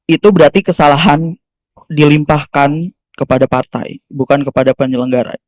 itu berarti kesalahan dilimpahkan kepada partai bukan kepada penyelenggara